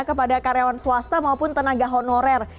kepada karyawan swasta maupun tenaga honorer